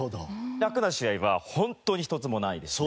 楽な試合は本当に一つもないですね。